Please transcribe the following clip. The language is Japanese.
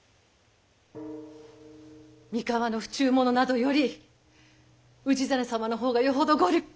三河の不忠者などより氏真様の方がよほどご立派。